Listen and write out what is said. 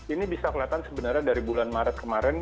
ini bisa kelihatan sebenarnya dari bulan maret kemarin